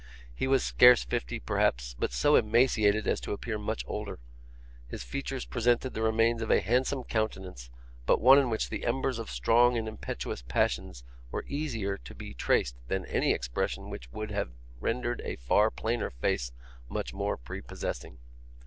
He was scarce fifty, perhaps, but so emaciated as to appear much older. His features presented the remains of a handsome countenance, but one in which the embers of strong and impetuous passions were easier to be traced than any expression which would have rendered a far plainer face much more prepossessing.